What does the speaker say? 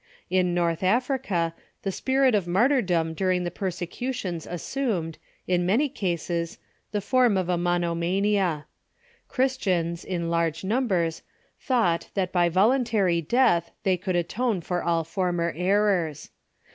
In North Africa, the spirit of martyrdom during the persecutions assumed, in many cases, the form of a monomania. Christians, in large numbers, thought that by voluntary death they could atone for all former errors.